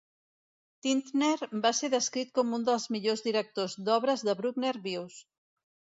Tintner va ser descrit com un dels millors directors d'obres de Bruckner vius.